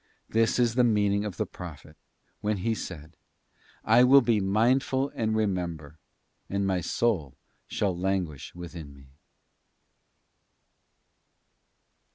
This is the meaning of the Prophet when he said, 'I will be mindful and remember, and my soul shall languish within me.